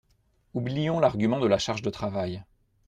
Oublions l’argument de la charge de travail.